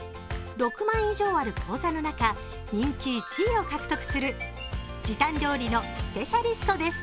６万以上ある講座の中、人気１位を獲得する時短料理のスペシャリストです。